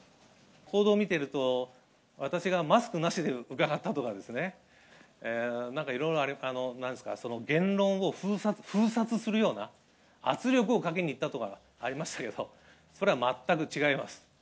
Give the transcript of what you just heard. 報道を見ていると、私がマスクなしで伺ったとかですね、なんかいろいろ、なんですか、言論を封殺するような、圧力をかけに行ったとかありましたけど、それは全く違います。